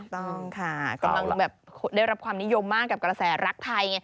ต้องค่ะกำลังแบบได้รับความนิยมมากกับกระแสรักไทยไง